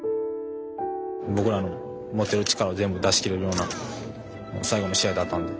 僕らの持てる力を全部出しきれるような最後の試合だったんで。